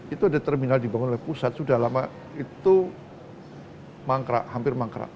itu ada terminal dibangun oleh pusat sudah lama itu mangkrak hampir mangkrak